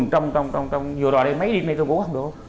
trong nhiều đời đây mấy đêm nay tôi ngủ không được